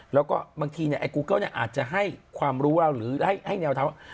แล้วก็บางทีไอ้กูเกิ้ลอาจจะให้ความรู้หรือให้แนวทางว่า